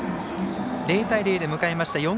０対０で迎えました